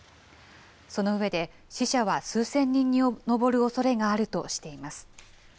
その上で、死者は数千人に上るおそれがあるとしています。